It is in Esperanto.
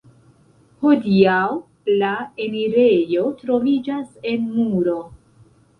Hodiaŭ la enirejo troviĝas en muro.